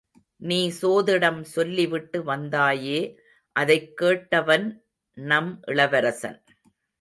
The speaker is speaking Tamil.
நீ சோதிடம் சொல்லிவிட்டு வந்தாயே அதை கேட்டவன் நம் இளவரசன்.